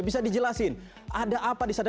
bisa dijelasin ada apa di sana